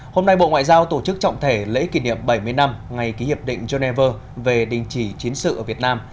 hôm nay bộ ngoại giao tổ chức trọng thể lễ kỷ niệm bảy mươi năm ngày ký hiệp định geneva về đình chỉ chiến sự ở việt nam